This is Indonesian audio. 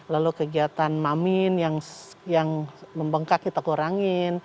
lalu kegiatan mamin yang membengkak kita kurangin